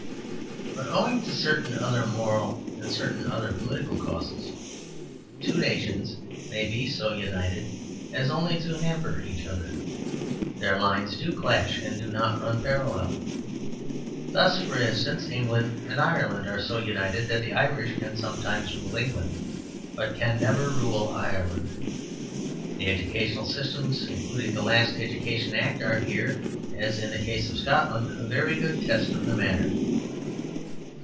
But owing to certain other Moral and certain other political causes, two nations may be so united as only to hamper each other; their lines do clash and do not run parallel. Thus, for instance, England and Ireland are so united that the Irish can sometimes rule England, but can never rule Ireland. The educational systems, including the last Education Act, are here, as in the case of Scotland, a very good test of the matter.